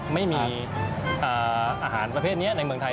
ไม่มีอาหารประเภทนี้ในเมืองไทย